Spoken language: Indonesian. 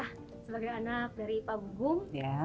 gugum gumbira sebagai anak dari pak gugum